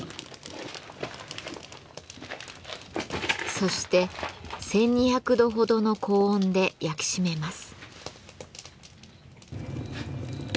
そして１，２００度ほどの高温で焼き締めます。